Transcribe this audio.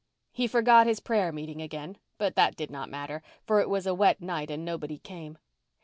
He forgot his prayer meeting again—but that did not matter, for it was a wet night and nobody came.